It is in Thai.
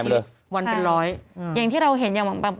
ช่วงนี้อาจจะต้องแบบ